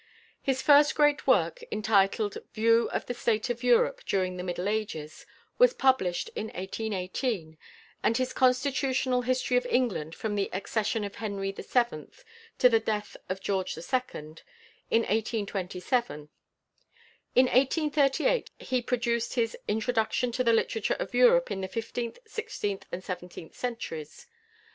His first great work, entitled "View of the State of Europe during the Middle Ages," was published in 1818, and his "Constitutional History of England, from the Accession of Henry VII. to the Death of George II.," in 1827. In 1838 he produced his "Introduction to the Literature of Europe in the Fifteenth, Sixteenth, and Seventeenth Centuries."